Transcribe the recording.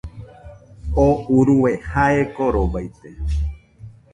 Tú urue jae korobaite